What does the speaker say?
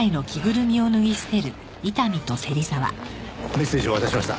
メッセージを渡しました。